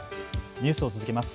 ニュースを続けます。